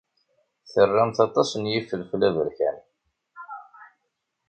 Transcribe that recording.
Tettarramt aṭas n yifelfel aberkan.